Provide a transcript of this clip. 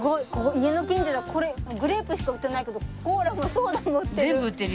家の近所ではこれグレープしか売ってないけどコーラもソーダも売ってる。